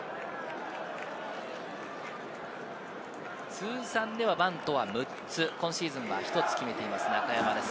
通算ではバントは６つ、今シーズンは１つ決めています、中山です。